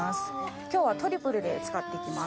今日はトリプルで使っていきます。